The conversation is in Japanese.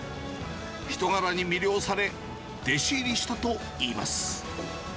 人柄に魅了され、弟子入りしたといいます。